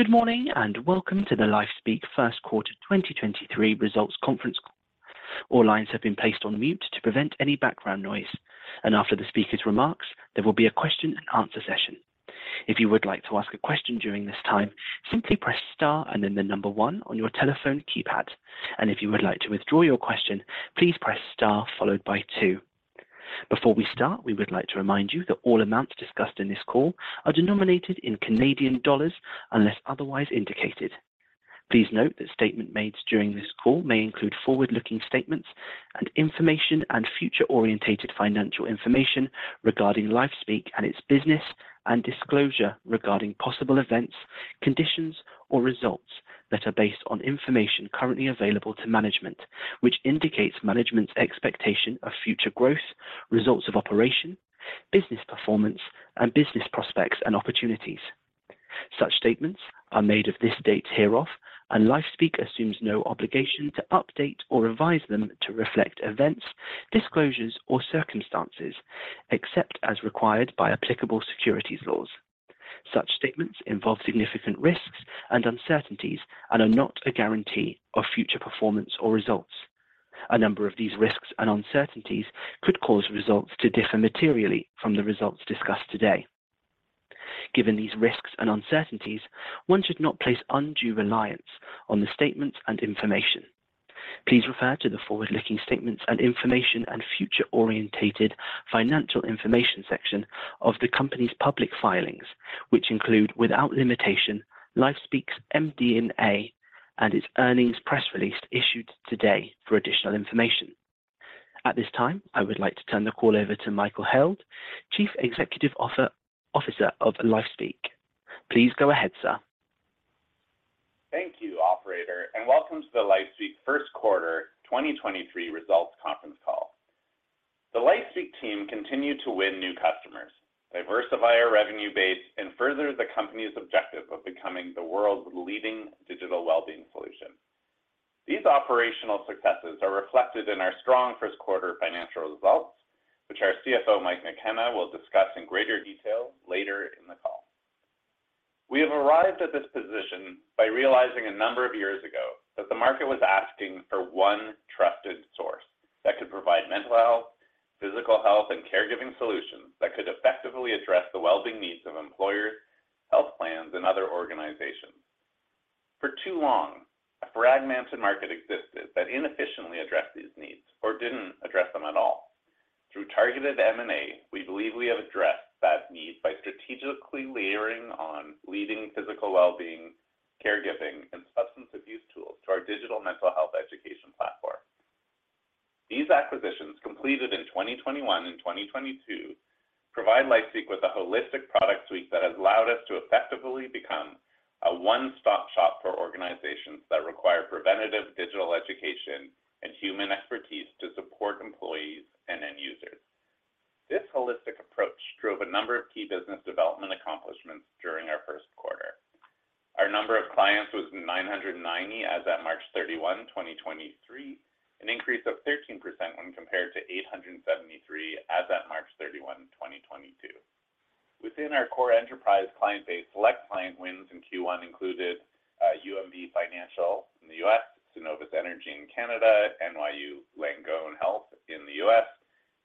Good morning, welcome to the LifeSpeak first quarter 2023 results conference. All lines have been placed on mute to prevent any background noise, after the speaker's remarks, there will be a question and answer session. If you would like to ask a question during this time, simply press star and then one on your telephone keypad. If you would like to withdraw your question, please press star followed by two. Before we start, we would like to remind you that all amounts discussed in this call are denominated in Canadian dollars unless otherwise indicated. Please note that statement made during this call may include forward-looking statements and information and future-oriented financial information regarding LifeSpeak and its business and disclosure regarding possible events, conditions, or results that are based on information currently available to management, which indicates management's expectation of future growth, results of operation, business performance, and business prospects and opportunities. Such statements are made of this date hereof, LifeSpeak assumes no obligation to update or revise them to reflect events, disclosures, or circumstances except as required by applicable securities laws. Such statements involve significant risks and uncertainties and are not a guarantee of future performance or results. A number of these risks and uncertainties could cause results to differ materially from the results discussed today. Given these risks and uncertainties, one should not place undue reliance on the statements and information. Please refer to the forward-looking statements and information and future orientated financial information section of the company's public filings, which include without limitation, LifeSpeak's MD&A, and its earnings press release issued today for additional information. At this time, I would like to turn the call over to Michael Held, Chief Executive Officer of LifeSpeak. Please go ahead, sir. Thank you, operator. Welcome to the LifeSpeak first quarter 2023 results conference call. The LifeSpeak team continued to win new customers, diversify our revenue base, and further the company's objective of becoming the world's leading digital well-being solution. These operational successes are reflected in our strong first quarter financial results, which our CFO, Mike McKenna, will discuss in greater detail later in the call. We have arrived at this position by realizing a number of years ago that the market was asking for one trusted source that could provide Mental Health, Physical Health, and Caregiving solutions that could effectively address the well-being needs of employers, health plans, and other organizations. For too long, a fragmented market existed that inefficiently addressed these needs or didn't address them at all. Through targeted M&A, we believe we have addressed that need by strategically layering on leading physical well-being, caregiving, and substance abuse tools to our digital mental health education platform. These acquisitions, completed in 2021 and 2022, provide LifeSpeak with a holistic product suite that has allowed us to effectively become a one-stop shop for organizations that require preventative digital education and human expertise to support employees and end users. This holistic approach drove a number of key business development accomplishments during our first quarter. Our number of clients was 990 as at March 31, 2023, an increase of 13% when compared to 873 as at March 31, 2022. Within our core enterprise client base, select client wins in Q1 included, UMB Financial in the U.S., Cenovus Energy in Canada, NYU Langone Health in the U.S.,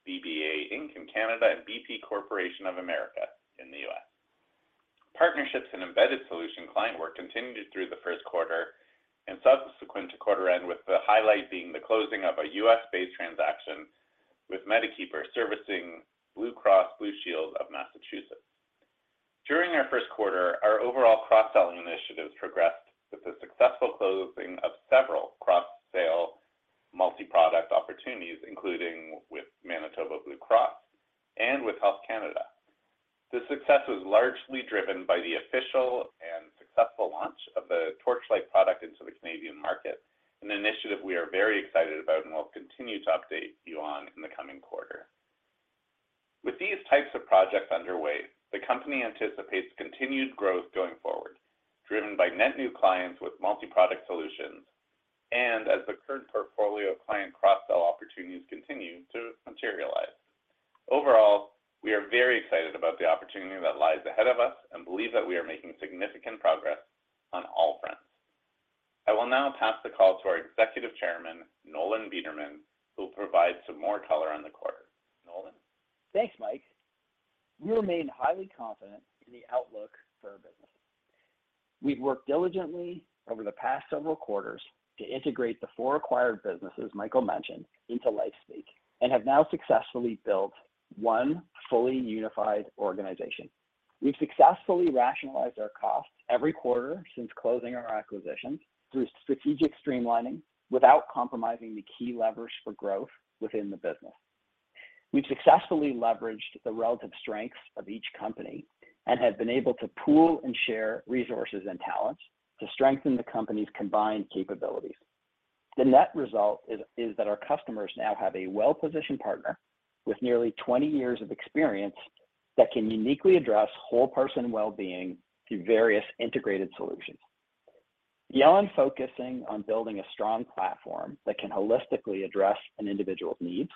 BBA Inc. in Canada, and BP Corporation of America in the U.S. Partnerships and embedded solution client work continued through the first quarter and subsequent to quarter end, with the highlight being the closing of a U.S.-based transaction with MetaKeeper servicing Blue Cross Blue Shield of Massachusetts. During our first quarter, our overall cross-selling initiatives progressed with the successful closing of several cross-sale multi-product opportunities, including with Manitoba Blue Cross and with Health Canada. This success was largely driven by the official and successful launch of the Torchlight product into the Canadian market, an initiative we are very excited about and will continue to update you on in the coming quarter. With these types of projects underway, the company anticipates continued growth going forward, driven by net new clients with multi-product solutions and as the current portfolio of client cross-sell opportunities continue to materialize. We are very excited about the opportunity that lies ahead of us and believe that we are making significant progress on all fronts. I will now pass the call to our Executive Chairman, Nolan Bederman, who will provide some more color on the quarter. Nolan. Thanks, Mike. We remain highly confident in the outlook for our business. We've worked diligently over the past several quarters to integrate the four acquired businesses Michael mentioned into LifeSpeak, have now successfully built one fully unified organization. We've successfully rationalized our costs every quarter since closing our acquisitions through strategic streamlining without compromising the key levers for growth within the business. We've successfully leveraged the relative strengths of each company have been able to pool and share resources and talents to strengthen the company's combined capabilities. The net result is that our customers now have a well-positioned partner with nearly 20 years of experience that can uniquely address whole person well-being through various integrated solutions. Beyond focusing on building a strong platform that can holistically address an individual's needs,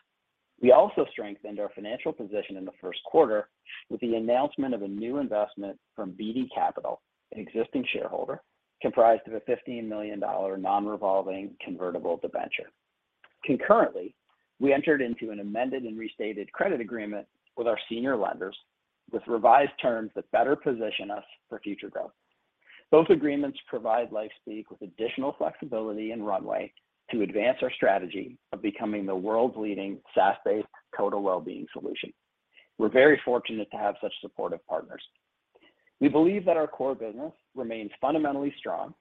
we also strengthened our financial position in the first quarter with the announcement of a new investment from BDC Capital, an existing shareholder, comprised of a 15 million dollar non-revolving convertible debenture. We entered into an amended and restated credit agreement with our senior lenders with revised terms that better position us for future growth. Both agreements provide LifeSpeak with additional flexibility and runway to advance our strategy of becoming the world's leading SaaS-based total well-being solution. We're very fortunate to have such supportive partners. We believe that our core business remains fundamentally strong.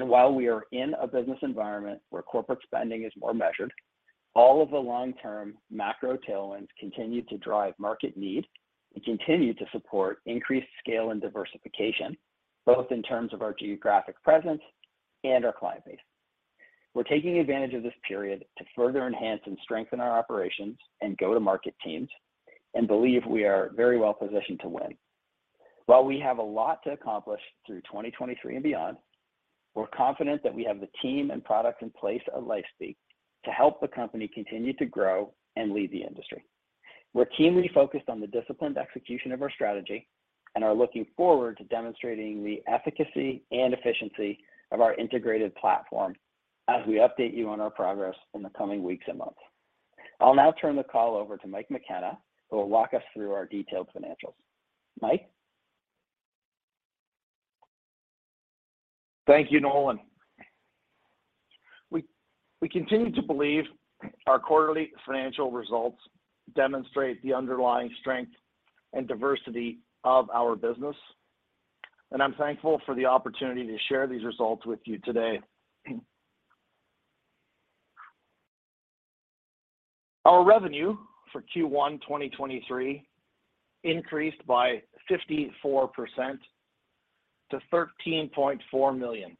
While we are in a business environment where corporate spending is more measured, all of the long-term macro tailwinds continue to drive market need and continue to support increased scale and diversification, both in terms of our geographic presence and our client base. We're taking advantage of this period to further enhance and strengthen our operations and go-to-market teams and believe we are very well positioned to win. While we have a lot to accomplish through 2023 and beyond, we're confident that we have the team and product in place at LifeSpeak to help the company continue to grow and lead the industry. We're keenly focused on the disciplined execution of our strategy and are looking forward to demonstrating the efficacy and efficiency of our integrated platform as we update you on our progress in the coming weeks and months. I'll now turn the call over to Mike McKenna, who will walk us through our detailed financials. Mike? Thank you, Nolan. We continue to believe our quarterly financial results demonstrate the underlying strength and diversity of our business, and I'm thankful for the opportunity to share these results with you today. Our revenue for Q1 2023 increased by 54% to 13.4 million.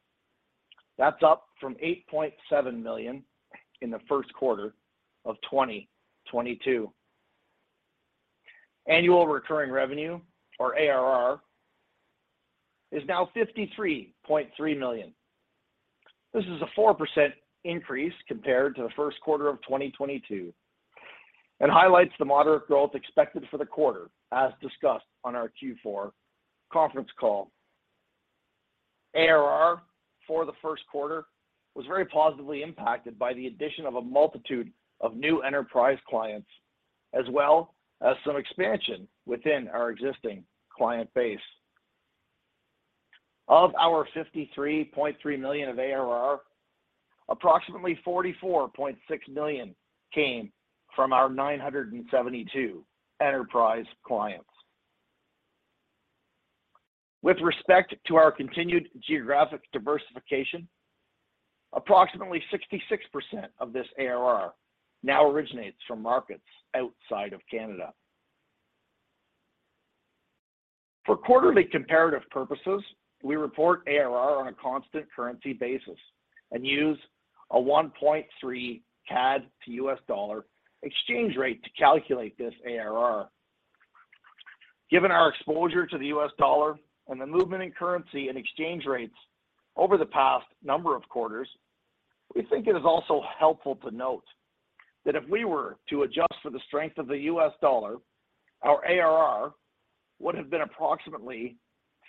That's up from 8.7 million in the first quarter of 2022. Annual recurring revenue, or ARR, is now 53.3 million. This is a 4% increase compared to the first quarter of 2022 and highlights the moderate growth expected for the quarter, as discussed on our Q4 conference call. ARR for the first quarter was very positively impacted by the addition of a multitude of new enterprise clients as well as some expansion within our existing client base. Of our 53.3 million of ARR, approximately 44.6 million came from our 972 enterprise clients. With respect to our continued geographic diversification, approximately 66% of this ARR now originates from markets outside of Canada. For quarterly comparative purposes, we report ARR on a constant currency basis and use a 1.3 CAD to U.S. dollar exchange rate to calculate this ARR. Given our exposure to the U.S. dollar and the movement in currency and exchange rates over the past number of quarters, we think it is also helpful to note that if we were to adjust for the strength of the U.S. dollar, our ARR would have been approximately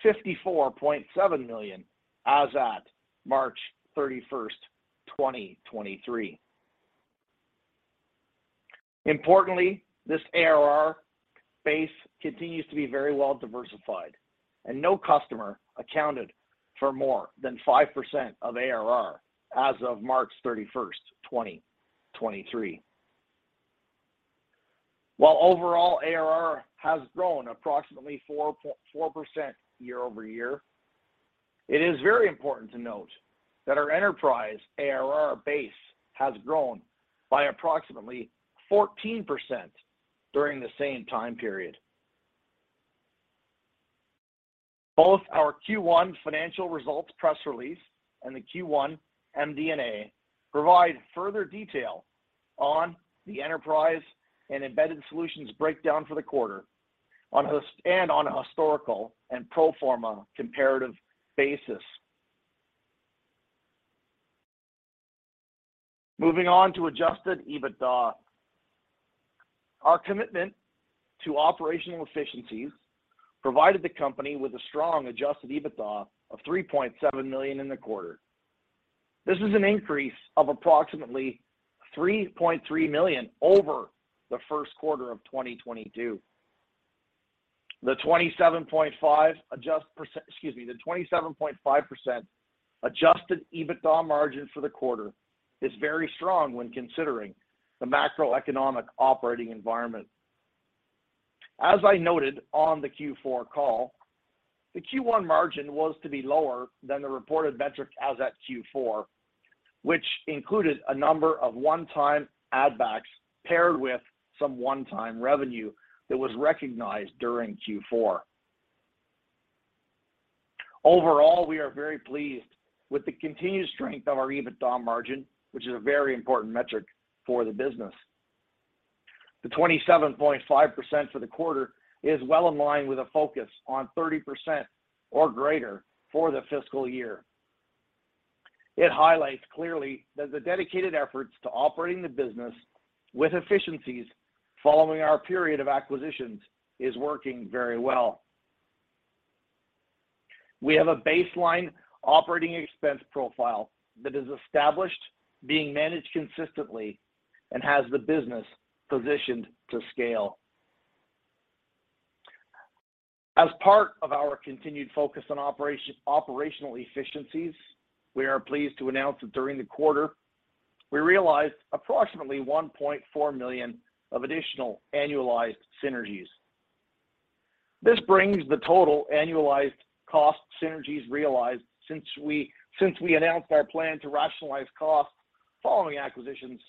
54.7 million as at March 31st, 2023. Importantly, this ARR base continues to be very well diversified, and no customer accounted for more than 5% of ARR as of March 31st, 2023. While overall ARR has grown approximately 4.4% year-over-year, it is very important to note that our enterprise ARR base has grown by approximately 14% during the same time period. Both our Q1 financial results press release and the Q1 MD&A provide further detail on the enterprise and embedded solutions breakdown for the quarter on a historical and pro forma comparative basis. Moving on to adjusted EBITDA. Our commitment to operational efficiencies provided the company with a strong adjusted EBITDA of 3.7 million in the quarter. This is an increase of approximately 3.3 million over the first quarter of 2022. The 27.5% adjust... Excuse me. The 27.5% adjusted EBITDA margin for the quarter is very strong when considering the macroeconomic operating environment. As I noted on the Q4 call, the Q1 margin was to be lower than the reported metric as at Q4, which included a number of one-time add-backs paired with some one-time revenue that was recognized during Q4. Overall, we are very pleased with the continued strength of our EBITDA margin, which is a very important metric for the business. The 27.5% for the quarter is well in line with a focus on 30% or greater for the fiscal year. It highlights clearly that the dedicated efforts to operating the business with efficiencies following our period of acquisitions is working very well. We have a baseline operating expense profile that is established, being managed consistently, and has the business positioned to scale. As part of our continued focus on operational efficiencies, we are pleased to announce that during the quarter, we realized approximately $1.4 million of additional annualized synergies. This brings the total annualized cost synergies realized since we announced our plan to rationalize costs following acquisitions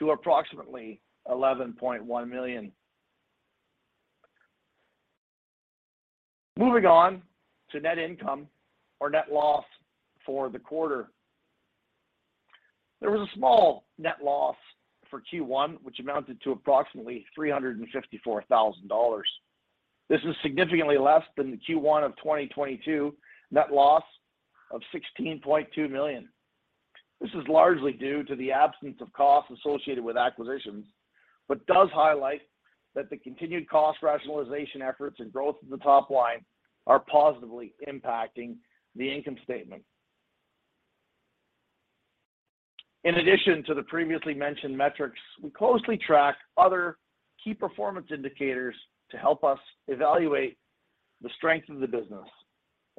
to approximately $11.1 million. Moving on to net income or net loss for the quarter. There was a small net loss for Q1, which amounted to approximately $354,000. This is significantly less than the Q1 of 2022 net loss of $16.2 million. This is largely due to the absence of costs associated with acquisitions, but does highlight that the continued cost rationalization efforts and growth of the top line are positively impacting the income statement. In addition to the previously mentioned metrics, we closely track other key performance indicators to help us evaluate the strength of the business.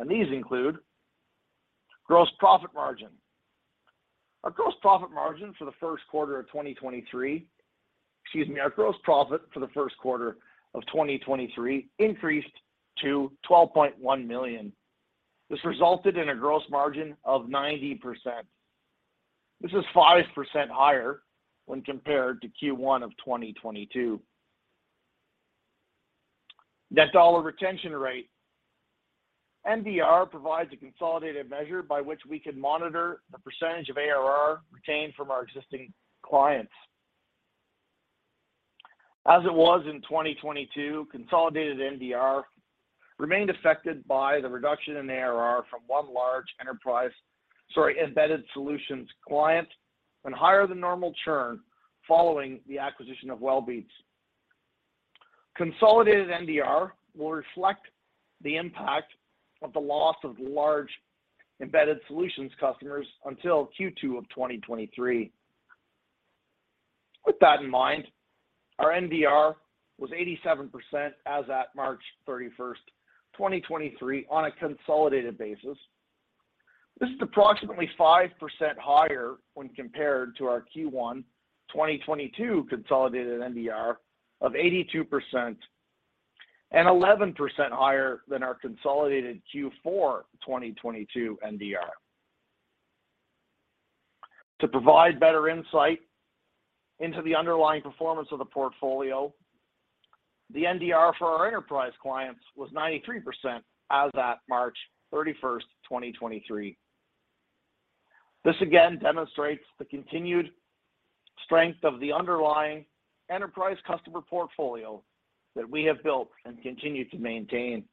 These include gross profit margin. Our gross profit margin for the first quarter of 2023, excuse me, our gross profit for the first quarter of 2023 increased to 12.1 million. This resulted in a gross margin of 90%. This is 5% higher when compared to Q1 of 2022. Net dollar retention rate. NDR provides a consolidated measure by which we can monitor the percentage of ARR retained from our existing clients. As it was in 2022, consolidated NDR remained affected by the reduction in ARR from one large enterprise, sorry, embedded solutions client and higher than normal churn following the acquisition of Wellbeats. Consolidated NDR will reflect the impact of the loss of large embedded solutions customers until Q2 of 2023. With that in mind, our NDR was 87% as at March 31st, 2023 on a consolidated basis. This is approximately 5% higher when compared to our Q1 2022 consolidated NDR of 82% and 11% higher than our consolidated Q4 2022 NDR. To provide better insight into the underlying performance of the portfolio, the NDR for our enterprise clients was 93% as at March 31st, 2023. This again demonstrates the continued strength of the underlying enterprise customer portfolio that we have built and continue to maintain.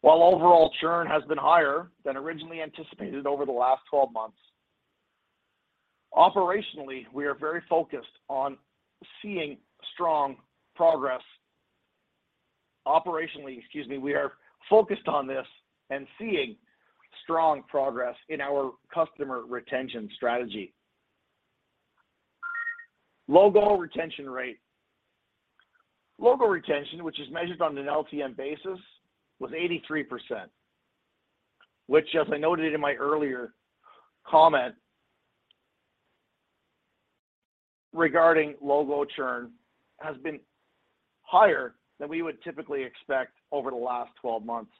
While overall churn has been higher than originally anticipated over the last 12 months, operationally, we are very focused on seeing strong progress. Operationally, excuse me, we are focused on this and seeing strong progress in our customer retention strategy. Logo retention rate. Logo retention, which is measured on an LTM basis, was 83%, which as I noted in my earlier comment regarding logo churn has been higher than we would typically expect over the last 12 months.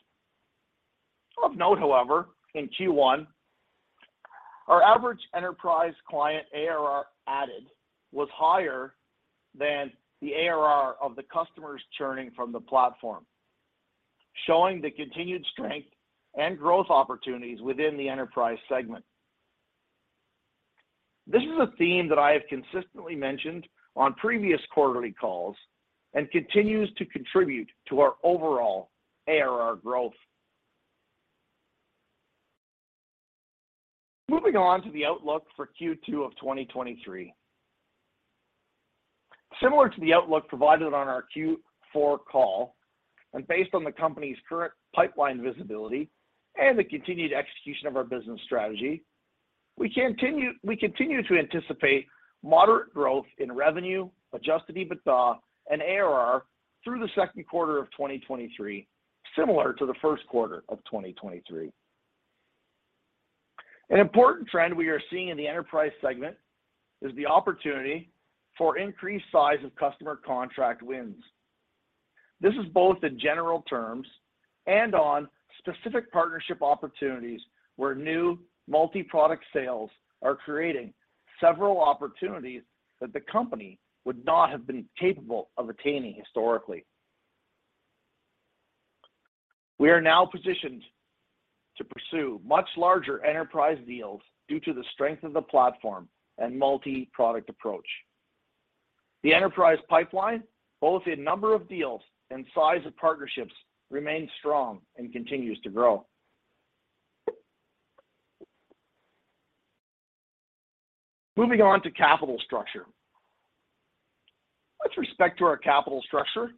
Of note, however, in Q1, our average enterprise client ARR added was higher than the ARR of the customers churning from the platform, showing the continued strength and growth opportunities within the enterprise segment. This is a theme that I have consistently mentioned on previous quarterly calls and continues to contribute to our overall ARR growth. Moving on to the outlook for Q2 of 2023. Similar to the outlook provided on our Q4 call and based on the company's current pipeline visibility and the continued execution of our business strategy, we continue to anticipate moderate growth in revenue, adjusted EBITDA, and ARR through the second quarter of 2023, similar to the first quarter of 2023. An important trend we are seeing in the enterprise segment is the opportunity for increased size of customer contract wins. This is both in general terms and on specific partnership opportunities where new multi-product sales are creating several opportunities that the company would not have been capable of attaining historically. We are now positioned to pursue much larger enterprise deals due to the strength of the platform and multi-product approach. The enterprise pipeline, both in number of deals and size of partnerships, remains strong and continues to grow. Moving on to capital structure. With respect to our capital structure,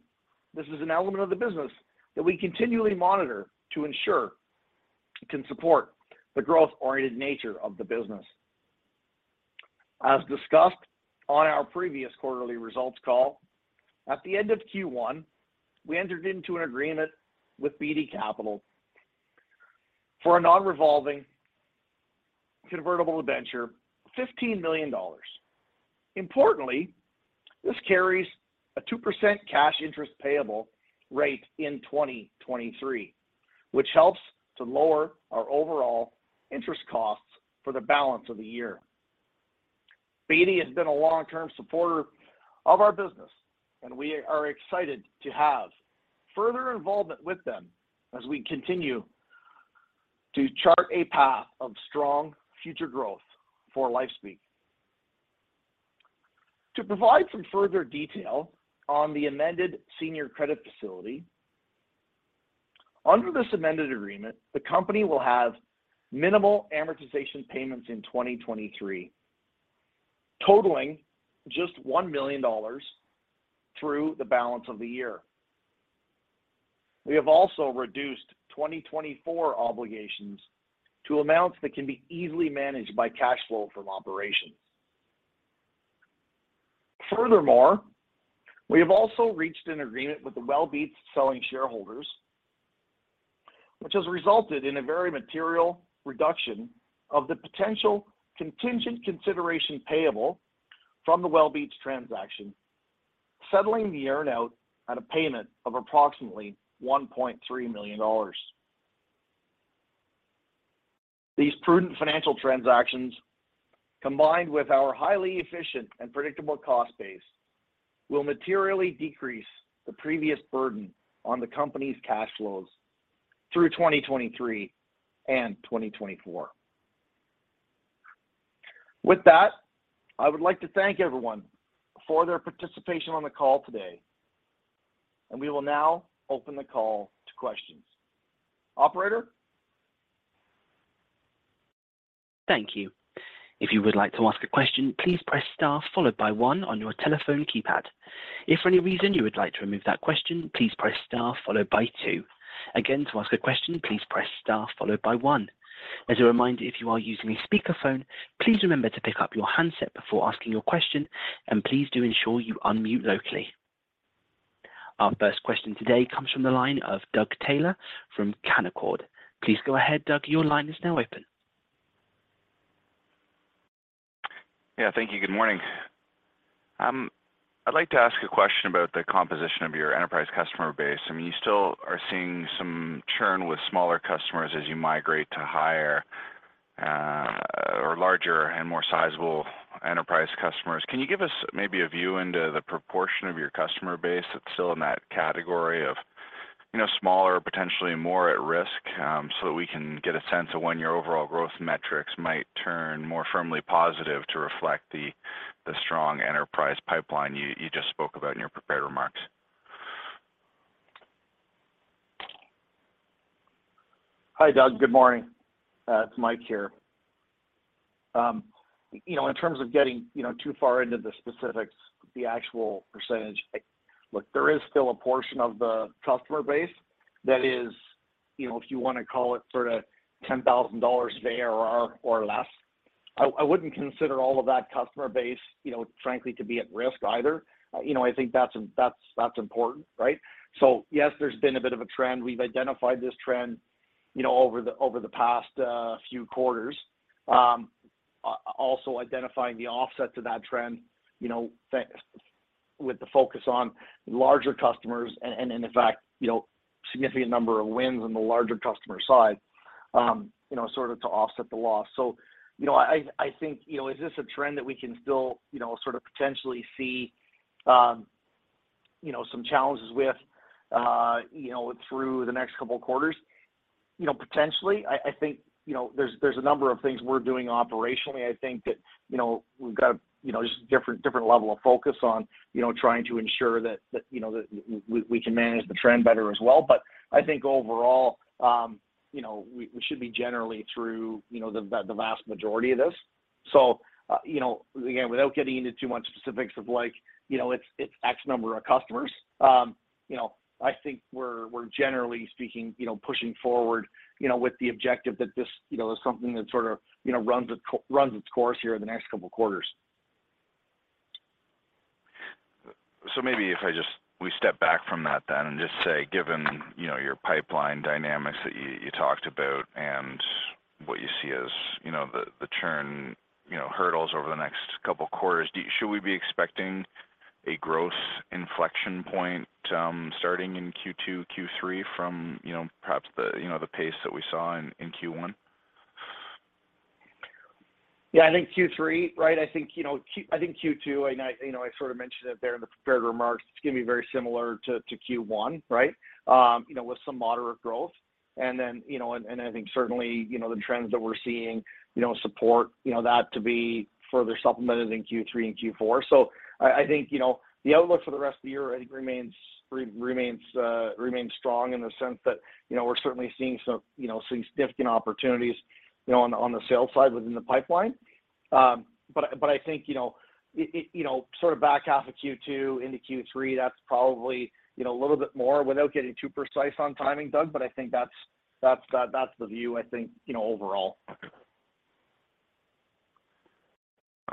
this is an element of the business that we continually monitor to ensure it can support the growth-oriented nature of the business. As discussed on our previous quarterly results call, at the end of Q1, we entered into an agreement with BDC Capital for a non-revolving convertible debenture, 15 million dollars. Importantly, this carries a 2% cash interest payable rate in 2023, which helps to lower our overall interest costs for the balance of the year. BDC has been a long-term supporter of our business, and we are excited to have further involvement with them as we continue to chart a path of strong future growth for LifeSpeak. To provide some further detail on the amended senior credit facility, under this amended agreement, the company will have minimal amortization payments in 2023, totaling just 1 million dollars through the balance of the year. We have also reduced 2024 obligations to amounts that can be easily managed by cash flow from operations. We have also reached an agreement with the Wellbeats selling shareholders, which has resulted in a very material reduction of the potential contingent consideration payable from the Wellbeats transaction, settling the earn-out at a payment of approximately $1.3 million. These prudent financial transactions, combined with our highly efficient and predictable cost base, will materially decrease the previous burden on the company's cash flows through 2023 and 2024. I would like to thank everyone for their participation on the call today, and we will now open the call to questions. Operator? Thank you. If you would like to ask a question, please press star followed by one on your telephone keypad. If for any reason you would like to remove that question, please press star followed by two. Again, to ask a question, please press star followed by one. As a reminder, if you are using a speakerphone, please remember to pick up your handset before asking your question, and please do ensure you unmute locally. Our first question today comes from the line of Doug Taylor from Canaccord. Please go ahead, Doug. Your line is now open. Yeah. Thank you. Good morning. I'd like to ask a question about the composition of your enterprise customer base. I mean, you still are seeing some churn with smaller customers as you migrate to higher, or larger and more sizable enterprise customers. Can you give us maybe a view into the proportion of your customer base that's still in that category of, you know, smaller, potentially more at risk, so that we can get a sense of when your overall gross metrics might turn more firmly positive to reflect the strong enterprise pipeline you just spoke about in your prepared remarks? Hi, Doug. Good morning. It's Mike here. You know, in terms of getting, you know, too far into the specifics, the actual percentage, look, there is still a portion of the customer base that is, you know, if you wanna call it sort of $10,000 ARR or less. I wouldn't consider all of that customer base, you know, frankly, to be at risk either. You know, I think that's important, right? Yes, there's been a bit of a trend. We've identified this trend, you know, over the past few quarters. Also identifying the offset to that trend, you know, with the focus on larger customers and in effect, you know, significant number of wins on the larger customer side, you know, sort of to offset the loss. You know, I think, you know, is this a trend that we can still, you know, sort of potentially see, you know, some challenges with, you know, through the next couple quarters? You know, potentially. I think, you know, there's a number of things we're doing operationally. I think that, you know, we've got, you know, just different level of focus on, you know, trying to ensure that, you know, that we can manage the trend better as well. I think overall, you know, we should be generally through, you know, the vast majority of this. You know, again, without getting into too much specifics of like, you know, it's X number of customers, you know, I think we're generally speaking, you know, pushing forward, you know, with the objective that this, you know, is something that sort of, you know, runs its course here in the next couple quarters. Maybe if we step back from that then and just say, given, you know, your pipeline dynamics that you talked about and what you see as, you know, the churn, you know, hurdles over the next two quarters, should we be expecting a gross inflection point starting in Q2, Q3 from, you know, perhaps the, you know, the pace that we saw in Q1? Yeah, I think Q3, right? I think, you know, I think Q2, and I, you know, I sort of mentioned it there in the prepared remarks, it's gonna be very similar to Q1, right? You know, with some moderate growth. You know, and I think certainly, you know, the trends that we're seeing, you know, support, you know, that to be further supplemented in Q3 and Q4. I think, you know, the outlook for the rest of the year, I think remains strong in the sense that, you know, we're certainly seeing some, you know, some significant opportunities, you know, on the sales side within the pipeline. I, but I think, you know, you know, sort of back half of Q2 into Q3, that's probably, you know, a little bit more without getting too precise on timing, Doug, but I think that's, that's the view I think, you know, overall.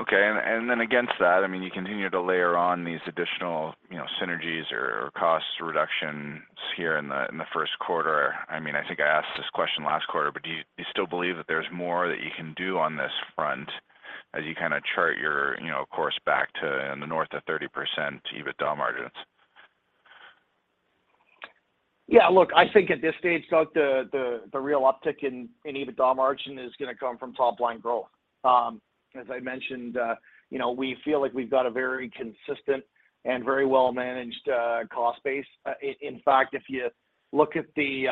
Okay. Then against that, I mean, you continue to layer on these additional, you know, synergies or cost reductions here in the first quarter. I mean, I think I asked this question last quarter, do you still believe that there's more that you can do on this front as you kind of chart your, you know, course back to in the north of 30% EBITDA margins? Yeah. Look, I think at this stage, Doug, the real uptick in EBITDA margin is gonna come from top-line growth. As I mentioned, you know, we feel like we've got a very consistent and very well-managed cost base. In fact, if you look at the,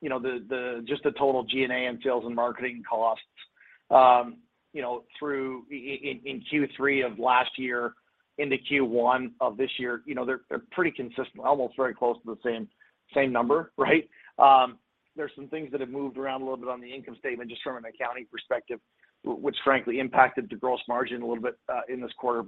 you know, the just the total G&A and sales and marketing costs, you know, through in Q3 of last year into Q1 of this year, you know, they're pretty consistent, almost very close to the same number, right? There's some things that have moved around a little bit on the income statement just from an accounting perspective, which frankly impacted the gross margin a little bit in this quarter.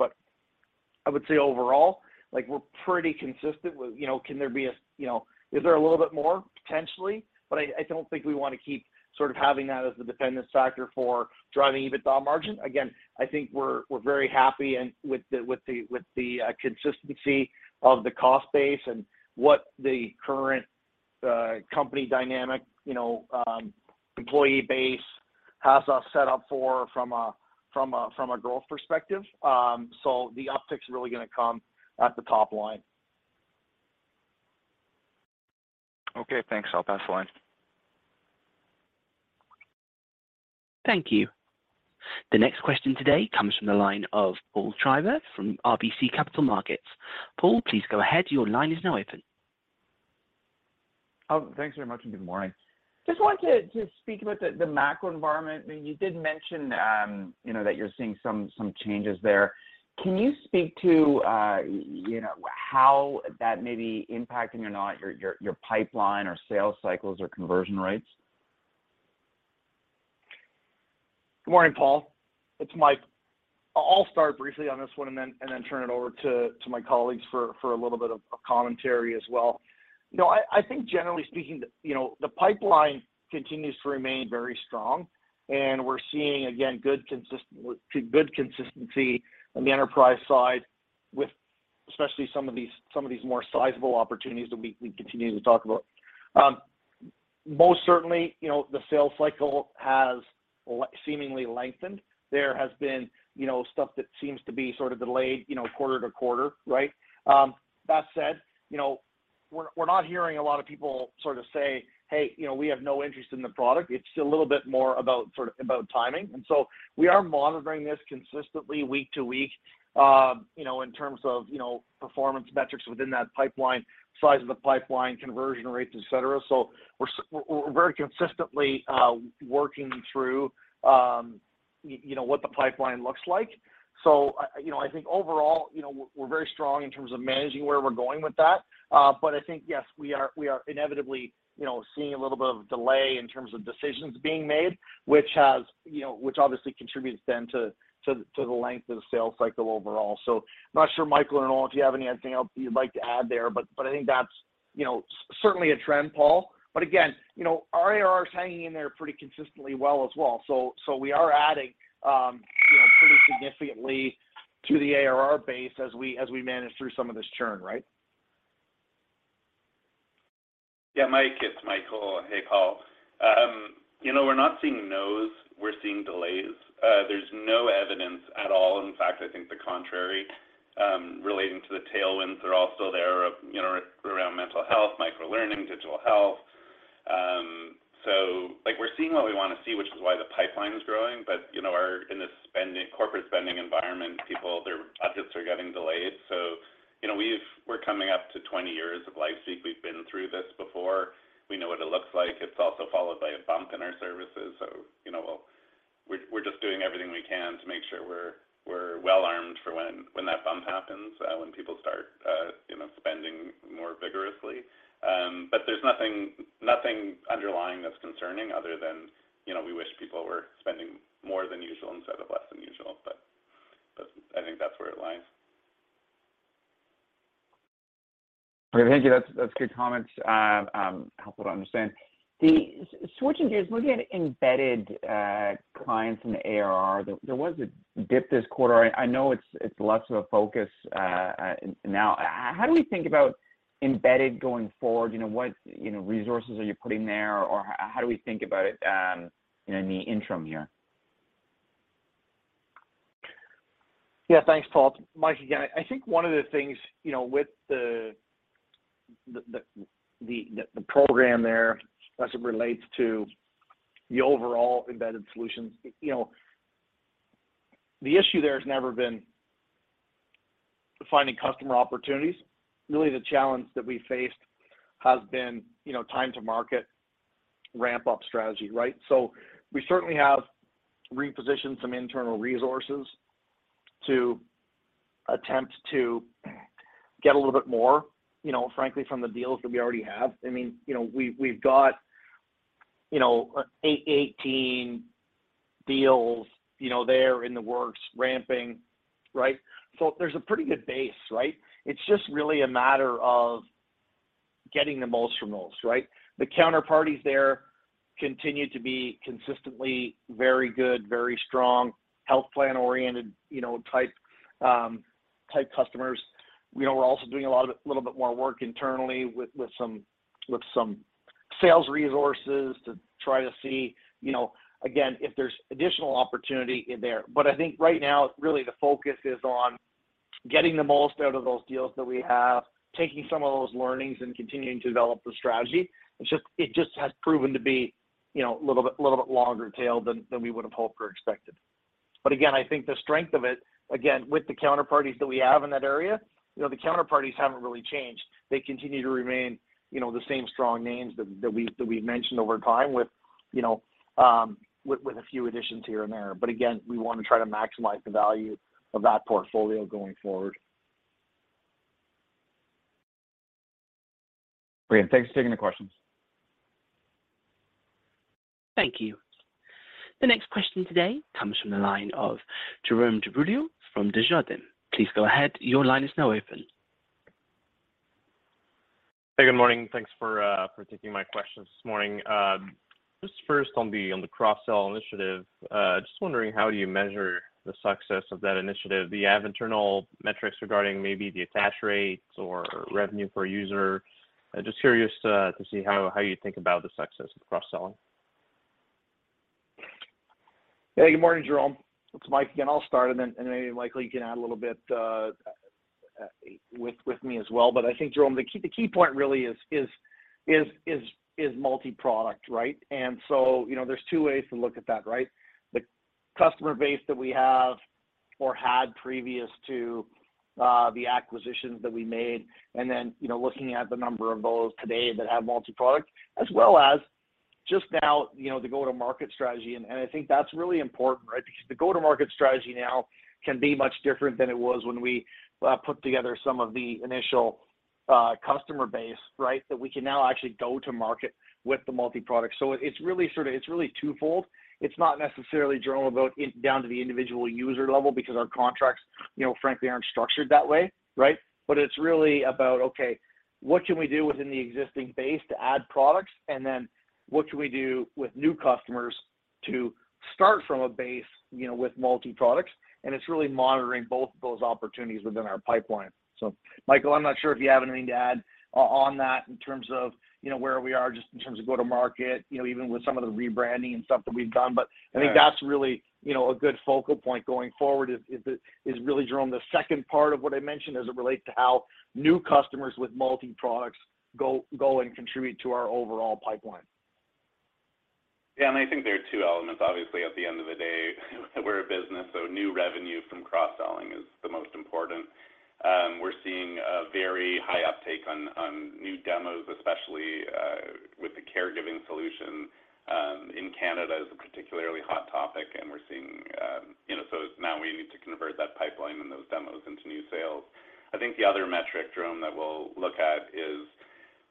I would say overall, like we're pretty consistent with, you know, can there be a, you know, is there a little bit more potentially? I don't think we wanna keep sort of having that as the dependent factor for driving EBITDA margin. Again, I think we're very happy and with the consistency of the cost base and what the current company dynamic, you know, employee base has us set up for from a gross perspective. The uptick's really gonna come at the top line. Okay. Thanks. I'll pass the line. Thank you. The next question today comes from the line of Paul Treiber from RBC Capital Markets. Paul, please go ahead. Your line is now open. Thanks very much. Good morning. Just wanted to speak about the macro environment. I mean, you did mention, you know, that you're seeing some changes there. Can you speak to, you know, how that may be impacting or not your pipeline or sales cycles or conversion rates? Good morning, Paul. It's Mike. I'll start briefly on this one and then turn it over to my colleagues for a little bit of commentary as well. No, I think generally speaking, you know, the pipeline continues to remain very strong, and we're seeing, again, good consistency on the enterprise side with especially some of these more sizable opportunities that we continue to talk about. Most certainly, you know, the sales cycle has seemingly lengthened. There has been, you know, stuff that seems to be sort of delayed, you know, quarter to quarter, right? That said, you know, we're not hearing a lot of people sort of say, "Hey, you know, we have no interest in the product." It's a little bit more about sort of about timing. We are monitoring this consistently week to week, you know, in terms of, you know, performance metrics within that pipeline, size of the pipeline, conversion rates, et cetera. We're very consistently working through, you know, what the pipeline looks like. You know, I think overall, you know, we're very strong in terms of managing where we're going with that. I think, yes, we are, we are inevitably, you know, seeing a little bit of a delay in terms of decisions being made, which has, you know, which obviously contributes then to the length of the sales cycle overall. I'm not sure, Michael and Nolan, if you have anything else you'd like to add there, but I think that's, you know, certainly a trend, Paul. Again, you know, our ARR is hanging in there pretty consistently well as well. We are adding, you know, pretty significantly to the ARR base as we manage through some of this churn, right? Yeah, Mike. It's Michael. Hey, Paul. You know, we're not seeing nos, we're seeing delays. There's no evidence at all, in fact, I think the contrary, relating to the tailwinds are all still there of, you know, around Mental Health, microlearning, digital health. Like we're seeing what we wanna see, which is why the pipeline's growing. You know, in this spending, corporate spending environment, people, their budgets are getting delayed. You know, we're coming up to 20 years of LifeSpeak. We've been through this before. We know what it looks like. It's also followed by a bump in our services. You know, we're just doing everything we can to make sure we're well-armed for when that bump happens, when people start, you know, spending more vigorously. There's nothing underlying that's concerning other than, you know, we wish people were spending more than usual instead of less than usual. I think that's where it lies. Okay. Thank you. That's good comments. helpful to understand. Switching gears, looking at embedded clients in the ARR, there was a dip this quarter. I know it's less of a focus now. How do we think about embedded going forward? You know, what, you know, resources are you putting there, or how do we think about it, you know, in the interim here? Thanks, Paul. Mike, again, I think one of the things, you know, with the program there as it relates to the overall embedded solutions, you know, the issue there has never been finding customer opportunities. Really the challenge that we faced has been, you know, time to market ramp-up strategy, right? We certainly have repositioned some internal resources to attempt to get a little bit more, you know, frankly from the deals that we already have. I mean, you know, we've got, you know, 18 deals, you know, there in the works ramping, right? There's a pretty good base, right? It's just really a matter of getting the most from those, right? The counterparties there continue to be consistently very good, very strong health plan-oriented, you know, type type customers. You know, we're also doing a lot of little bit more work internally with some sales resources to try to see, you know, again, if there's additional opportunity in there. I think right now really the focus is on getting the most out of those deals that we have, taking some of those learnings and continuing to develop the strategy. It just has proven to be, you know, a little bit longer tail than we would've hoped or expected. Again, I think the strength of it, again, with the counterparties that we have in that area, you know, the counterparties haven't really changed. They continue to remain, you know, the same strong names that we've mentioned over time with, you know, with a few additions here and there. Again, we want to try to maximize the value of that portfolio going forward. Great. Thanks for taking the questions. Thank you. The next question today comes from the line of Jérome Dubreuil from Desjardins. Please go ahead. Your line is now open. Hey, good morning. Thanks for taking my questions this morning. Just first on the on the cross-sell initiative, just wondering how do you measure the success of that initiative? Do you have internal metrics regarding maybe the attach rates or revenue per user? Just curious to see how you think about the success of the cross-selling. Hey, good morning, Jérome. It's Mike again. I'll start, and then maybe Michael, you can add a little bit with me as well. I think Jérome, the key point really is multi-product, right? You know, there's two ways to look at that, right? The customer base that we have or had previous to the acquisitions that we made, and then, you know, looking at the number of those today that have multi-product as well as just now, you know, the go-to-market strategy, and I think that's really important, right? The go-to-market strategy now can be much different than it was when we put together some of the initial customer base, right? That we can now actually go to market with the multi-product. So it's really twofold. It's not necessarily, Jérome, about down to the individual user level because our contracts, you know, frankly, aren't structured that way, right? It's really about, okay, what can we do within the existing base to add products? Then what can we do with new customers to start from a base, you know, with multi-products? It's really monitoring both of those opportunities within our pipeline. Michael, I'm not sure if you have anything to add on that in terms of, you know, where we are just in terms of go-to-market, you know, even with some of the rebranding and stuff that we've done. I think that's really, you know, a good focal point going forward is it, is really, Jérome, the second part of what I mentioned as it relates to how new customers with multi-products go and contribute to our overall pipeline. I think there are two elements. Obviously, at the end of the day, we're a business, new revenue from cross-selling is the most important. We're seeing a very high uptake on new demos, especially with the caregiving solution, in Canada is a particularly hot topic, we're seeing, you know, it's now we need to convert that pipeline and those demos into new sales. I think the other metric, Jérome, that we'll look at is,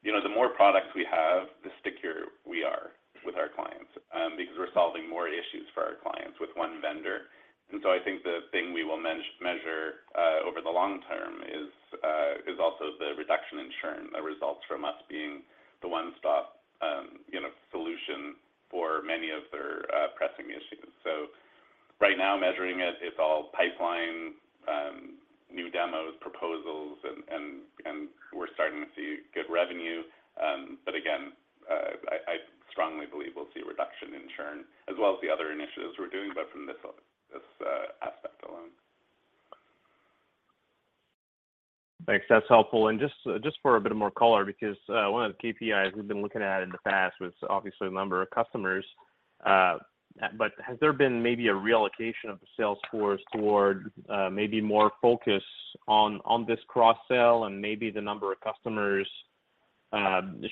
you know, the more products we have, the stickier we are with our clients, because we're solving more issues for our clients with one vendor. I think the thing we will measure over the long term is also the reduction in churn that results from us being the one-stop, you know, solution for many of their pressing issues. Right now measuring it's all pipeline, new demos, proposals, and we're starting to see good revenue. Again, I strongly believe we'll see a reduction in churn as well as the other initiatives we're doing, but from this aspect alone. Thanks. That's helpful. Just for a bit more color because, one of the KPIs we've been looking at in the past was obviously the number of customers. Has there been maybe a reallocation of the sales force toward, maybe more focus on this cross-sell and maybe the number of customers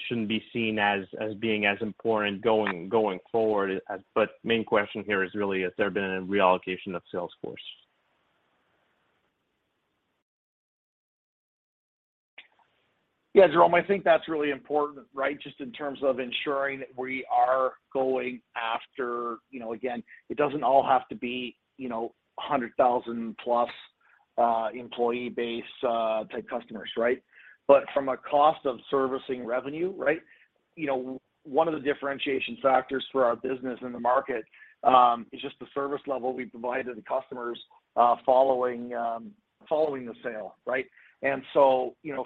shouldn't be seen as being as important going forward as. Main question here is really has there been a reallocation of sales force? Jérome, I think that's really important, right? Just in terms of ensuring that we are going after, you know, again, it doesn't all have to be, you know, 100,000+ employee base type customers, right? From a cost of servicing revenue, right? You know, one of the differentiation factors for our business in the market, is just the service level we provide to the customers, following the sale, right?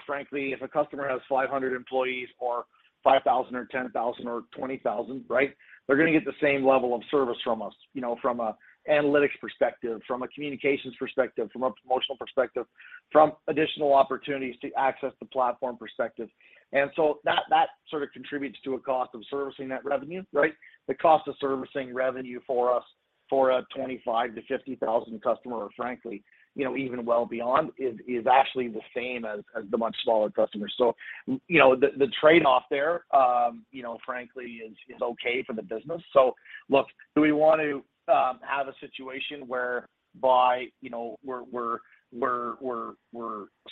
Frankly, if a customer has 500 employees or 5,000 or 10,000 or 20,000, right? They're gonna get the same level of service from us, you know, from an analytics perspective, from a communications perspective, from a promotional perspective, from additional opportunities to access the platform perspective. That sort of contributes to a cost of servicing that revenue, right? The cost of servicing revenue for us. For a 25,000-50,000 customer or frankly, you know, even well beyond is actually the same as the much smaller customers. You know, the trade-off there, you know, frankly, is okay for the business. Look, do we want to have a situation whereby, you know, we're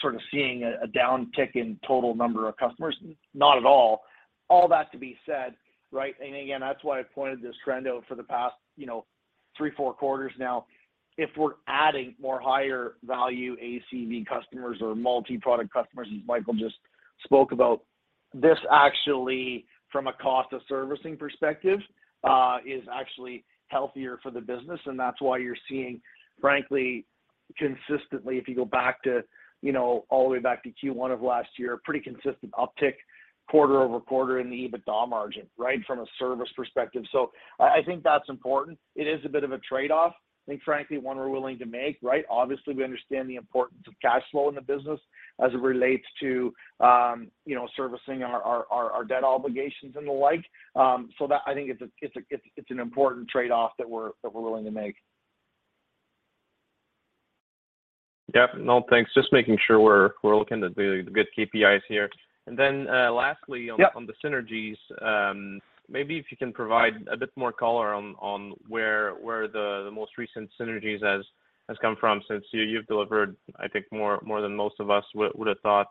sort of seeing a downtick in total number of customers? Not at all. All that to be said, right? Again, that's why I pointed this trend out for the past, you know, three, four quarters now. If we're adding more higher value ACV customers or multi-product customers, as Michael just spoke about, this actually from a cost of servicing perspective, is actually healthier for the business, and that's why you're seeing, frankly, consistently, if you go back to, you know, all the way back to Q1 of last year, pretty consistent uptick quarter-over-quarter in the EBITDA margin, right? From a service perspective. I think that's important. It is a bit of a trade-off, I think frankly, one we're willing to make, right? Obviously, we understand the importance of cash flow in the business as it relates to, you know, servicing our debt obligations and the like. That I think it's an important trade-off that we're, that we're willing to make. Yeah. No, thanks. Just making sure we're looking at the good KPIs here. Then, lastly. Yeah... on the synergies, maybe if you can provide a bit more color on where the most recent synergies has come from since you've delivered, I think more than most of us would've thought,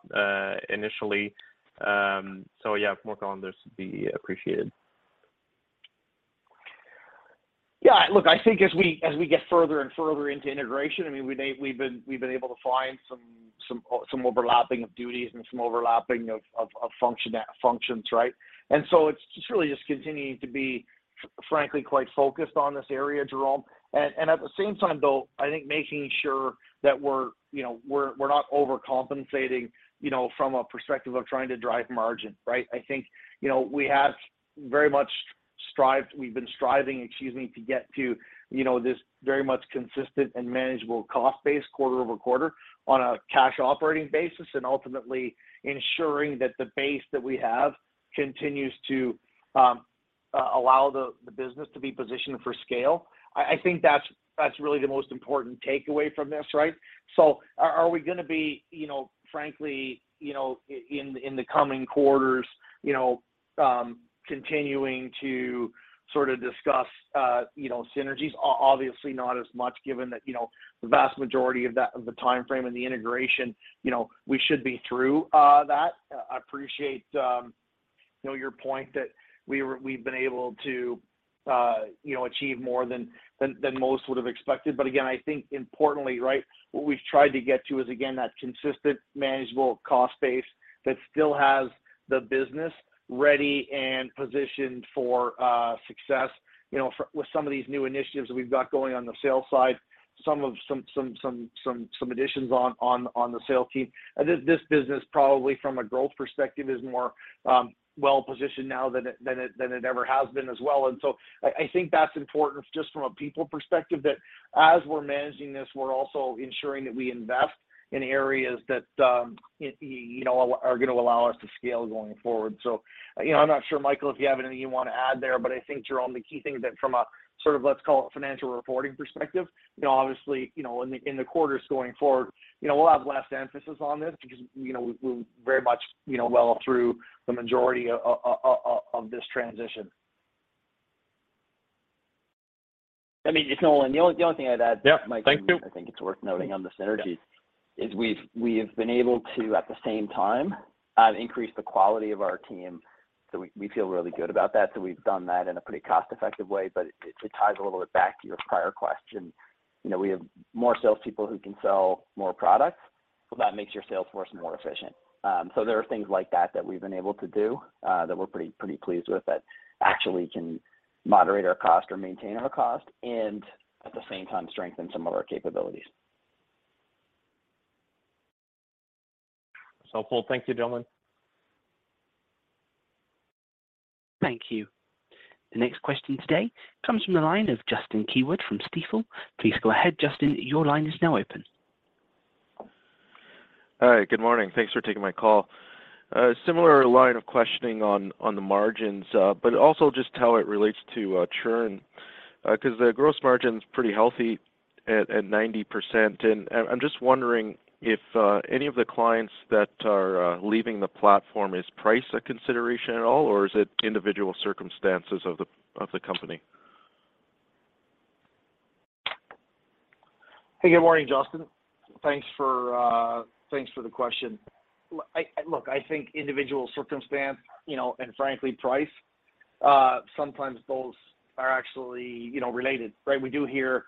initially. Yeah, more color on this would be appreciated. Yeah, look, I think as we get further and further into integration, I mean, we've been able to find some overlapping of duties and some overlapping of functions, right? It's just really just continuing to be, frankly, quite focused on this area, Jérome. At the same time though, I think making sure that we're, you know, we're not overcompensating, you know, from a perspective of trying to drive margin, right? I think, you know, we've been striving, excuse me, to get to, you know, this very much consistent and manageable cost base quarter-over-quarter on a cash operating basis, and ultimately ensuring that the base that we have continues to allow the business to be positioned for scale. I think that's really the most important takeaway from this, right? Are we gonna be, you know, frankly, you know, in the coming quarters, you know, continuing to sort of discuss, you know, synergies? Obviously not as much given that, you know, the vast majority of that, of the timeframe and the integration, you know, we should be through that. I appreciate, you know, your point that we've been able to, you know, achieve more than most would've expected. Again, I think importantly, right, what we've tried to get to is, again, that consistent manageable cost base that still has the business ready and positioned for success, you know, with some of these new initiatives that we've got going on the sales side. Some of... Some additions on the sales team. This business probably from a growth perspective is more well positioned now than it ever has been as well. I think that's important just from a people perspective, that as we're managing this, we're also ensuring that we invest in areas that, it, you know, are gonna allow us to scale going forward. You know, I'm not sure Michael, if you have anything you wanna add there, but I think Jérome, the key thing that from a, sort of, let's call it financial reporting perspective, you know, obviously, you know, in the, in the quarters going forward, you know, we'll have less emphasis on this because, you know, we're very much, you know, well through the majority of this transition. I mean, just Nolan, the only thing I'd add... Yeah. Thank you.... Michael, I think it's worth noting on the synergies, is we've been able to, at the same time, increase the quality of our team. We feel really good about that. We've done that in a pretty cost-effective way, but it ties a little bit back to your prior question. You know, we have more salespeople who can sell more products, so that makes your sales force more efficient. There are things like that that we've been able to do that we're pretty pleased with that actually can moderate our cost or maintain our cost, and at the same time strengthen some of our capabilities. It's helpful. Thank you, gentlemen. Thank you. The next question today comes from the line of Justin Keywood from Stifel. Please go ahead, Justin, your line is now open. Hi. Good morning. Thanks for taking my call. Similar line of questioning on the margins, also just how it relates to churn. 'Cause the gross margin's pretty healthy at 90%, and I'm just wondering if any of the clients that are leaving the platform, is price a consideration at all, or is it individual circumstances of the company? Hey, good morning, Justin. Thanks for, thanks for the question. Look, I think individual circumstance, you know, and frankly price, sometimes those are actually, you know, related, right? We do hear,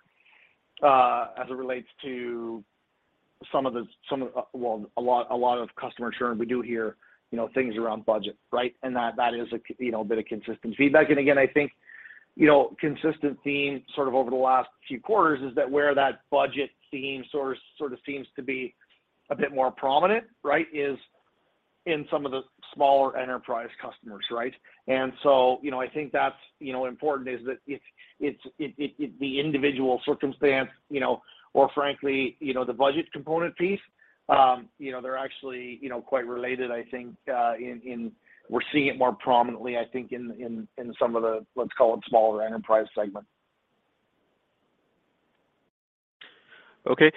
as it relates to some of the... Well, a lot of customer churn, we do hear, you know, things around budget, right? That is a, you know, a bit of consistent feedback. Again, I think, you know, consistent theme sort of over the last few quarters is that where that budget theme source sort of seems to be a bit more prominent, right? Is in some of the smaller enterprise customers, right? So, you know, I think that's, you know, important is that it's, it... The individual circumstance, you know, or frankly, you know, the budget component piece, you know, they're actually, you know, quite related I think, in we're seeing it more prominently I think in some of the, let's call it smaller enterprise segments. Okay.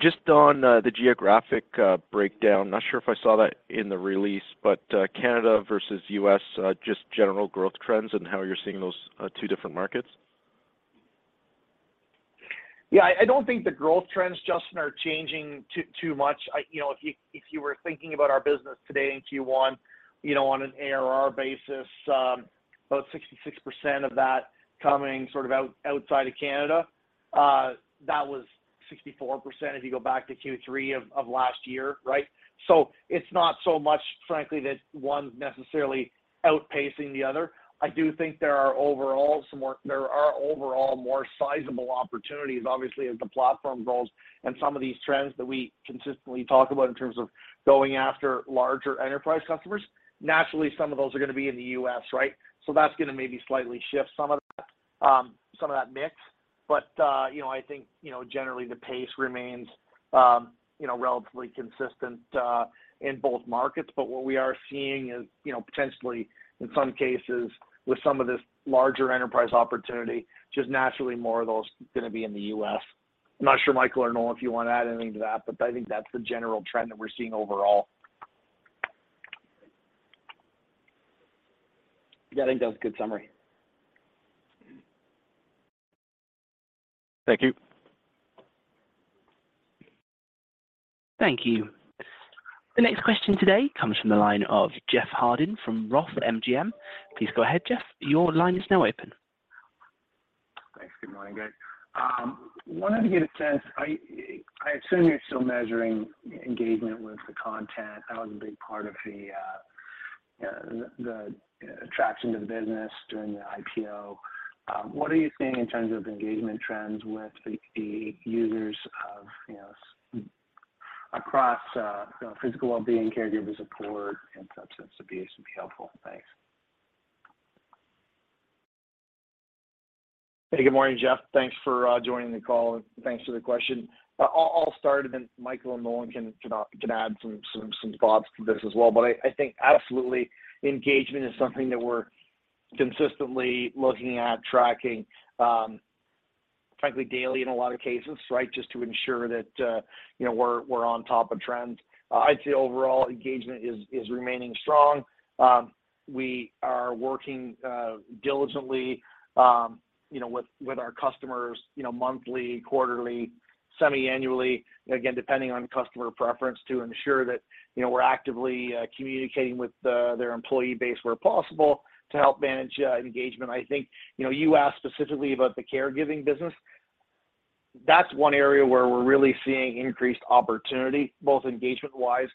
Just on the geographic breakdown, not sure if I saw that in the release, but Canada versus .US., just general growth trends and how you're seeing those two different markets? Yeah, I don't think the growth trends, Justin, are changing too much. You know, if you were thinking about our business today in Q1, you know, on an ARR basis, about 66% of that coming sort of outside of Canada, that was 64% if you go back to Q3 of last year, right? It's not so much frankly that one's necessarily outpacing the other. I do think there are overall more sizable opportunities obviously as the platform grows and some of these trends that we consistently talk about in terms of going after larger enterprise customers. Naturally, some of those are gonna be in the U.S., right? That's gonna maybe slightly shift some of that mix. You know, I think, you know, generally the pace remains, you know, relatively consistent in both markets. What we are seeing is, you know, potentially in some cases with some of this larger enterprise opportunity, just naturally more of those gonna be in the U.S. I'm not sure Michael or Nolan, if you wanna add anything to that, but I think that's the general trend that we're seeing overall. Yeah, I think that was a good summary. Thank you. Thank you. The next question today comes from the line of Jeff Martin from Roth MKM. Please go ahead, Jeff. Your line is now open. Thanks. Good morning, guys. Wanted to get a sense. I assume you're still measuring engagement with the content. That was a big part of the attraction to the business during the IPO. What are you seeing in terms of engagement trends with the users of, you know, across, you know, physical wellbeing, caregiver support and substance abuse would be helpful. Thanks. Hey, good morning, Jeff. Thanks for joining the call and thanks for the question. I'll start and then Michael and Nolan can add some thoughts to this as well. I think absolutely engagement is something that we're consistently looking at tracking, frankly daily in a lot of cases, right? Just to ensure that, you know, we're on top of trends. I'd say overall engagement is remaining strong. We are working diligently, you know, with our customers, you know, monthly, quarterly, semi-annually, again, depending on customer preference to ensure that, you know, we're actively communicating with their employee base where possible to help manage engagement. I think, you know, you asked specifically about the caregiving business. That's one area where we're really seeing increased opportunity, both engagement-wise,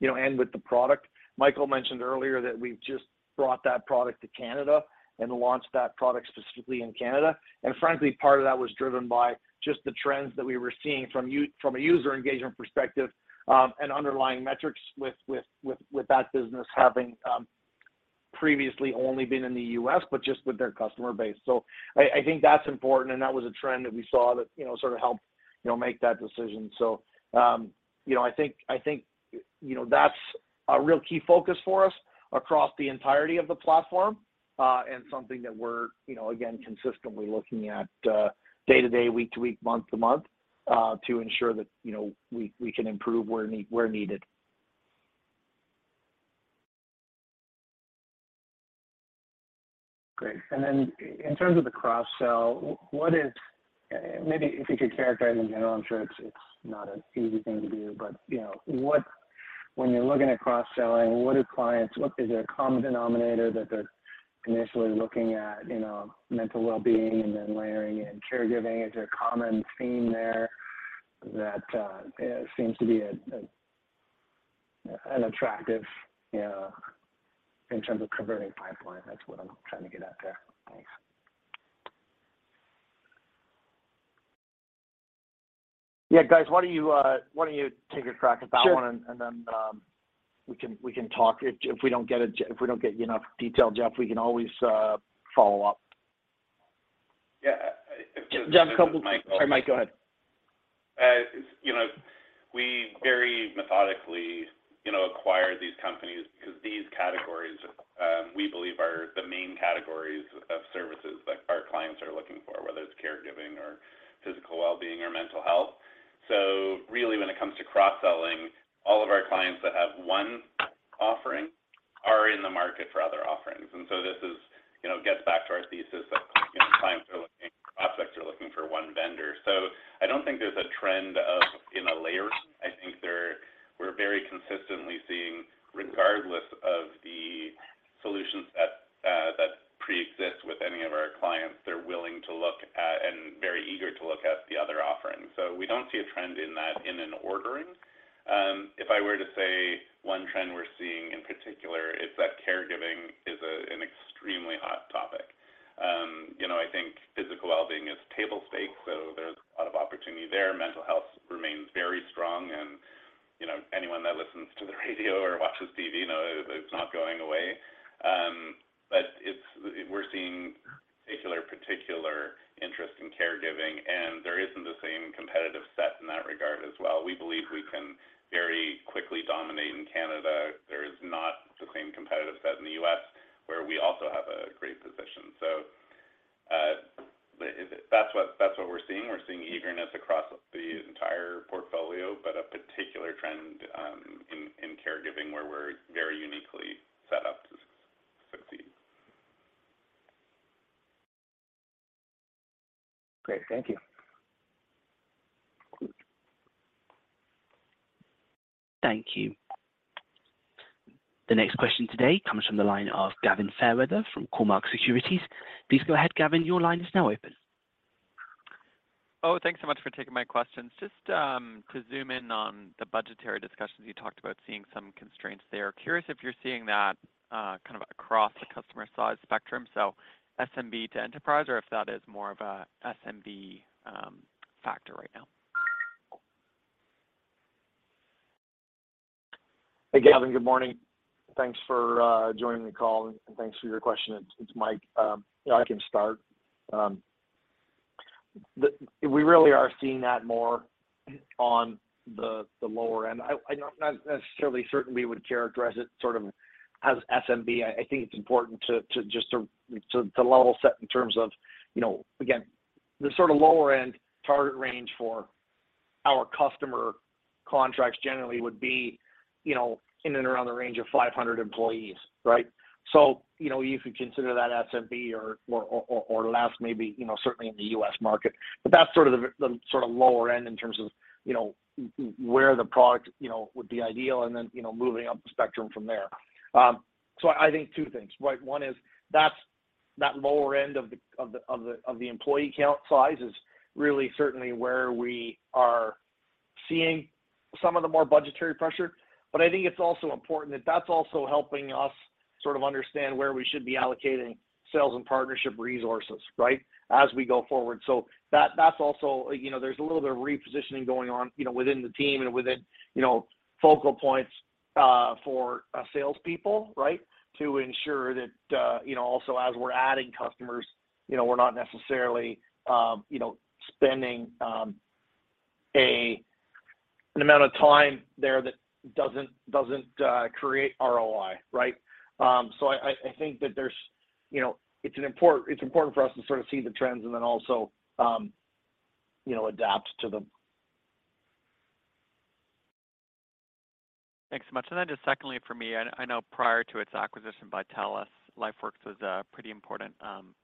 you know, and with the product. Michael mentioned earlier that we've just brought that product to Canada and launched that product specifically in Canada. Frankly, part of that was driven by just the trends that we were seeing from a user engagement perspective, and underlying metrics with that business having previously only been in the U.S. but just with their customer base. I think that's important, and that was a trend that we saw that, you know, sort of helped, you know, make that decision. You know, I think, you know, that's a real key focus for us across the entirety of the platform, and something that we're, you know, again, consistently looking at, day to day, week to week, month to month, to ensure that, you know, we can improve where needed. Great. Then in terms of the cross-sell, what is, maybe if you could characterize in general, I'm sure it's not an easy thing to do, but, you know, what when you're looking at cross-selling, what do clients, what is a common denominator that they're initially looking at, you know, mental wellbeing and then layering in caregiving? Is there a common theme there that seems to be an attractive, you know, in terms of converting pipeline? That's what I'm trying to get at there. Thanks. Yeah. Guys, why don't you, why don't you take a crack at that one- Sure. We can talk. If, if we don't get enough detail, Jeff, we can always follow up. Yeah. Jeff, couple- Mike. Sorry, Mike, go ahead. You know, we very methodically, you know, acquire these companies because these categories, we believe are the main categories of services that our clients are looking for, whether it's caregiving or physical wellbeing or Mental Health. Really when it comes to cross-selling, all of our clients that have one offering are in the market for other offerings. This is, you know, gets back to our thesis that, you know, clients are looking, prospects are looking for one vendor. I don't think there's a trend of, you know, layering. I think we're very consistently seeing, regardless of the solutions that preexist with any of our clients, they're willing to look at and very eager to look at the other offerings. We don't see a trend in that in an ordering. If I were to say one trend we're seeing in particular is that caregiving is an extremely hot topic. You know, I think physical wellbeing is table stake, so there's a lot of opportunity there. Mental Health remains very strong and, you know, it's not going away. But we're seeing particular interest in caregiving, and there isn't the same competitive set in that regard as well. We believe we can very quickly dominate in Canada. There is not the same competitive set in the U.S., where we also have a great position. That's what we're seeing. We're seeing eagerness across the entire portfolio, but a particular trend in caregiving where we're very uniquely set up to succeed. Great. Thank you. Thank you. The next question today comes from the line of Gavin Fairweather from Cormark Securities. Please go ahead, Gavin. Your line is now open. Thanks so much for taking my questions. Just to zoom in on the budgetary discussions, you talked about seeing some constraints there. Curious if you're seeing that kind of across the customer size spectrum, so SMB to enterprise, or if that is more of a SMB factor right now. Hey, Gavin. Good morning. Thanks for joining the call, and thanks for your question. It's Mike. Yeah, I can start. We really are seeing that more on the lower end. I don't necessarily certainly would characterize it sort of as SMB. I think it's important to just to level set in terms of, you know, again, the sort of lower end target range for our customer contracts generally would be, you know, in and around the range of 500 employees, right? You could consider that SMB or less maybe, you know, certainly in the U.S. market. That's sort of the sort of lower end in terms of, you know, where the product, you know, would be ideal and then, you know, moving up the spectrum from there. I think two things, right? One is that lower end of the employee count size is really certainly where we are seeing some of the more budgetary pressure. I think it's also important that that's also helping us sort of understand where we should be allocating sales and partnership resources, right, as we go forward. That, that's also, you know, there's a little bit of repositioning going on, you know, within the team and within, you know, focal points for salespeople, right? To ensure that, you know, also as we're adding customers, you know, we're not necessarily, you know, spending an amount of time there that doesn't create ROI, right? I think that there's, you know, it's important for us to sort of see the trends and then also, you know, adapt to them. Thanks so much. Just secondly for me, I know prior to its acquisition by TELUS, LifeWorks was a pretty important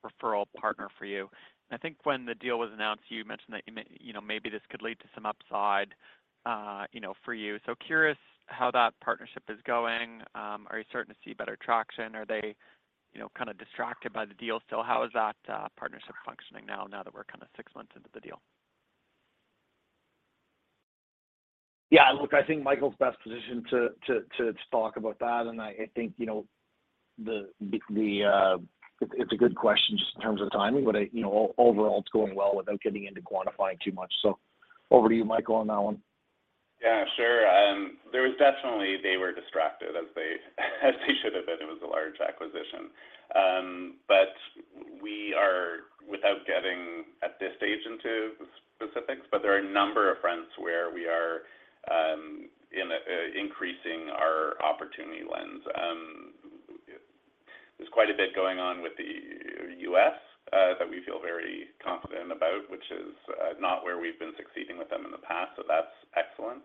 referral partner for you. I think when the deal was announced, you mentioned that you know, maybe this could lead to some upside, you know, for you. Curious how that partnership is going. Are you starting to see better traction? Are they, you know, kind of distracted by the deal still? How is that partnership functioning now that we're kind of six months into the deal? Yeah. Look, I think Michael's best positioned to talk about that. I think, you know, the... It's, it's a good question just in terms of timing. I, you know, overall, it's going well without getting into quantifying too much. Over to you, Michael, on that one. Yeah, sure. There was definitely, they were distracted as they should have been. It was a large acquisition. We are, without getting at this stage into specifics, but there are a number of fronts where we are in increasing our opportunity lens. There's quite a bit going on with the U.S. that we feel very confident about, which is not where we've been succeeding with them in the past. That's excellent.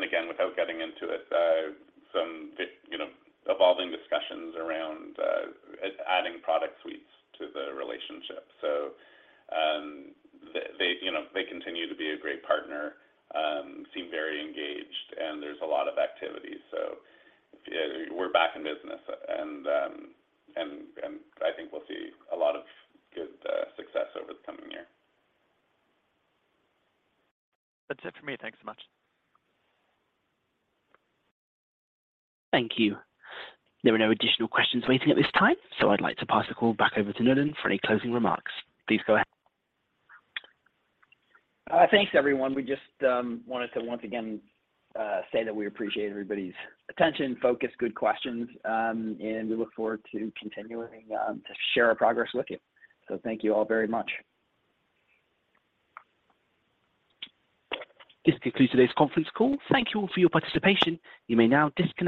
Again, without getting into it, some, you know, evolving discussions around adding product suites to the relationship. They, you know, they continue to be a great partner, seem very engaged, and there's a lot of activity. We're back in business and I think we'll see a lot of good success over the coming year. That's it for me. Thanks so much. Thank you. There are no additional questions waiting at this time. I'd like to pass the call back over to Nolan for any closing remarks. Please go ahead. Thanks everyone. We just wanted to once again say that we appreciate everybody's attention, focus, good questions, and we look forward to continuing to share our progress with you. Thank you all very much. This concludes today's conference call. Thank you all for your participation. You may now disconnect.